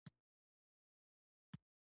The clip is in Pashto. له دغو نومیالیو څېرو څخه یو عبدالرؤف بېنوا دی.